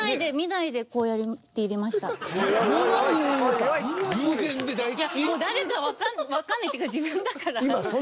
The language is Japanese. いやもう誰かわかんないわかんないっていうか自分だから。